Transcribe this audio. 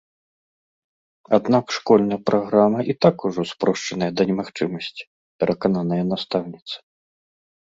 Аднак школьная праграма і так ужо спрошчаная да немагчымасці, перакананая настаўніца.